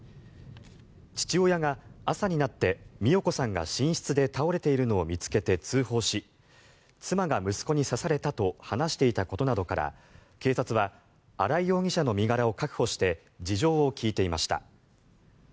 父親が朝になって美代子さんが寝室で倒れているのを見つけて通報し妻が息子に刺されたと話していたことなどから警察は新井容疑者の身柄を確保して事情を聴いていました。